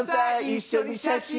一緒に写真。